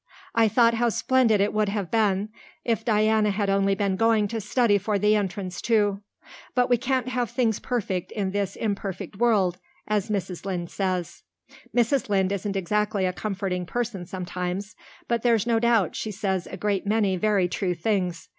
"I thought how splendid it would have been if Diana had only been going to study for the Entrance, too. But we can't have things perfect in this imperfect world, as Mrs. Lynde says. Mrs. Lynde isn't exactly a comforting person sometimes, but there's no doubt she says a great many very true things.